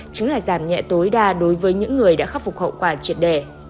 chính là giảm nhẹ tối đa đối với những người đã khắc phục hậu quả triệt đề